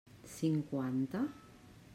Cinquanta?